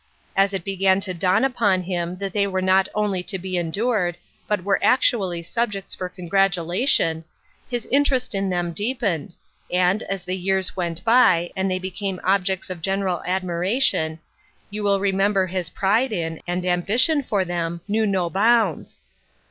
As it began to dawn upon him that they were not only to be endured, but were actually subjects for con gratulation, his^ interest in them deepened ; and, as the years went by, and they became objects of general admiration, you will remember his pride in, and ambition for them, knew no bounds.